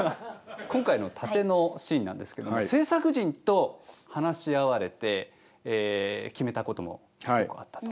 今回の殺陣のシーンなんですけども制作陣と話し合われて決めたことも結構あったと。